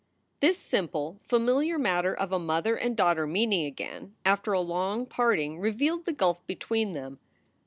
This simple, familiar matter of a mother and daughter meeting again after a long parting revealed the gulf between them.